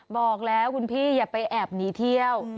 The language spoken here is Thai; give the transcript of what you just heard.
บอกแล้วคุณพี่อย่าไปแอบหนีเที่ยว